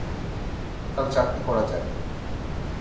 কাল চারটা করা যাক।